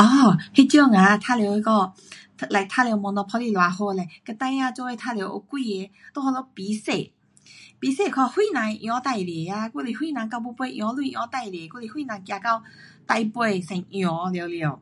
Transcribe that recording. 喔，那种 um 玩耍那个 like 玩耍 monopoly 多好嘞，跟孩儿作伙玩耍有几个在那里比赛，比赛看谁人会赢最多啊，还是谁人到尾尾赢钱赢最多啊，还是谁人走到最尾先赢了了。